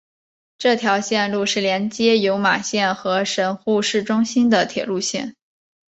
这条线路是连接有马线和神户市中心的铁路线。